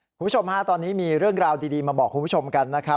คุณผู้ชมฮะตอนนี้มีเรื่องราวดีมาบอกคุณผู้ชมกันนะครับ